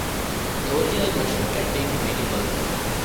The original version contained many bugs.